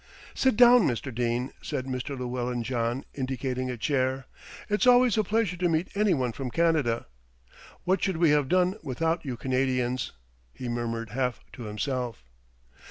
"Sit down, Mr. Dene," said Mr. Llewellyn John, indicating a chair; "it's always a pleasure to meet any one from Canada. What should we have done without you Canadians?" he murmured half to himself.